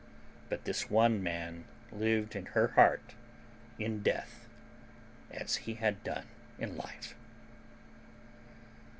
But this one man lived in her heart in death as he had done in life.